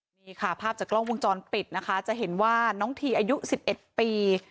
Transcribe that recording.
นี่ค่ะภาพจากกล้องวงจรปิดนะคะจะเห็นว่าน้องทีอายุ๑๑ปี